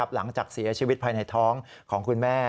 หลังจากเสียชีวิตภายในท้องของคุณแม่